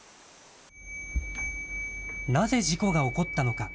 なぜ事故が起こったのか。